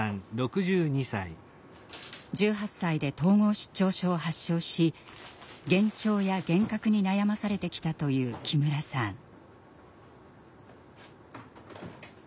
１８歳で統合失調症を発症し幻聴や幻覚に悩まされてきたという木村さん。